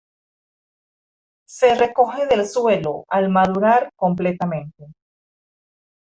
Se recoge del suelo al madurar completamente.